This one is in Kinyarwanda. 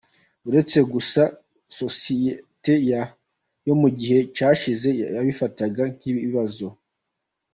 Uretse gusa sosiyete yo mu gihe cyashize yabifataga nk’ikibazo.